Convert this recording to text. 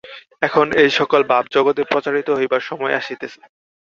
এখন এই-সকল ভাব জগতে প্রচারিত হইবার সময় আসিতেছে।